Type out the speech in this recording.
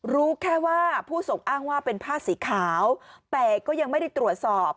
รู้แค่ว่าผู้ส่งอ้างว่าเป็นผ้าสีขาวแต่ก็ยังไม่ได้ตรวจสอบ